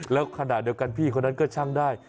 แล้วขณะเดียวกันพี่คนนั้นก็ช่างได้